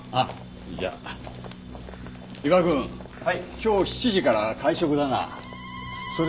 今日７時から会食だがそれ。